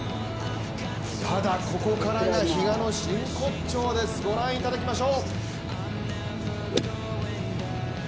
ただここからが比嘉の真骨頂ですご覧いただきましょう。